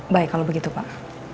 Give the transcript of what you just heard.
baik kalau begitu pak